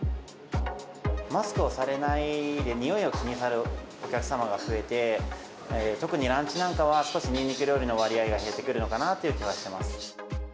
マスクをされないで、臭いを気にされるお客様が増えて、特にランチなんかは少しニンニク料理の割合が減ってくるのかなという気がしてます。